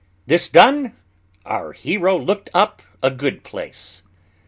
This done, our hero looked up a good place.